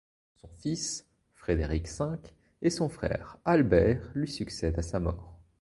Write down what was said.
Son fils Frédéric V et son frère Albert lui succèdent à sa mort.